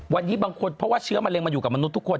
วันนี้บางคนเพราะว่าเชื้อมะเร็งมาอยู่กับมนุษย์ทุกคน